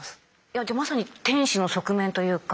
じゃあまさに天使の側面というか。